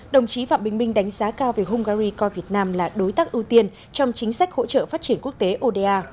đồng chí phạm bình minh đánh giá cao về hungary coi việt nam là đối tác ưu tiên trong chính sách hỗ trợ phát triển quốc tế oda